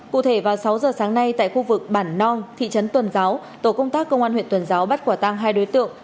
cụ thể vào sáu giờ sáng nay tại khu vực bản nong thị trấn tuần giáo tổ công tác công an huyện tuần giáo bắt quả tăng hai đối tượng